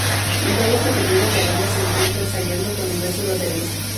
En todo este periodo la banda se encuentra ensayando con diversos bateristas.